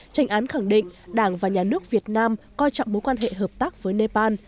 tranh án khẳng định đảng và nhà nước việt nam coi trọng mối quan hệ hợp tác với nepal